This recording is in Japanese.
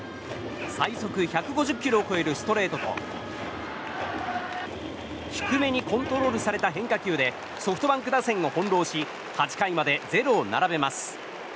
最速１５０ｋｍを超えるストレートと低めにコントロールされた変化球でソフトバンク打線を翻ろうし８回までゼロを並べます。